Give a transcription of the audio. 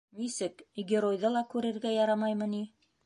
— Нисек, геройҙы ла күрергә ярамаймы ни?